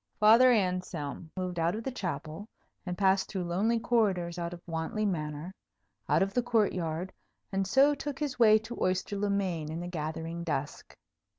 Father Anselm moved out of the chapel, and passed through lonely corridors out of Wantley Manor, out of the court yard, and so took his way to Oyster le Main in the gathering dusk.